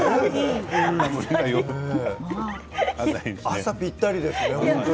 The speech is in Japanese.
朝にぴったりですね。